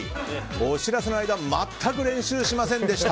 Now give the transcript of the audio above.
お知らせの間全く練習しませんでした。